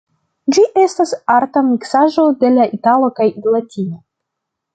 Ĝi estas arta miksaĵo de la itala kaj latino.